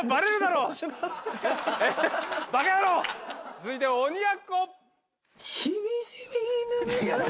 続いては鬼奴！